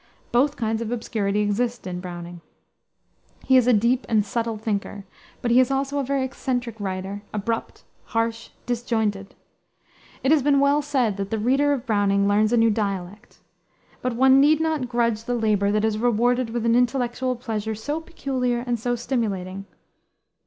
Both kinds of obscurity exist in Browning. He is a deep and subtle thinker; but he is also a very eccentric writer, abrupt, harsh, disjointed. It has been well said that the reader of Browning learns a new dialect. But one need not grudge the labor that is rewarded with an intellectual pleasure so peculiar and so stimulating.